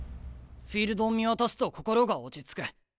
フィールドを見渡すと心が落ち着く。